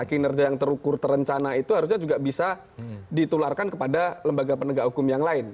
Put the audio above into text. kinerja yang terukur terencana itu harusnya juga bisa ditularkan kepada lembaga penegak hukum yang lain